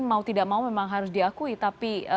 mau tidak mau memang harus diakui tapi